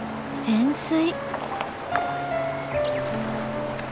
潜水。